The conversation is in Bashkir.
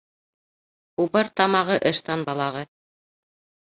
Убыр тамағы ыштан балағы.